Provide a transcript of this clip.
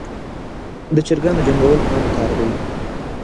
دچراګانو جنګول عام کار دی.